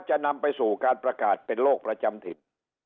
จะนำไปสู่การประกาศเป็นโรคประจำถิ่น